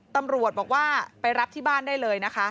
ตำรวจบอกว่าไปรับที่บ้านได้เลยนะคะ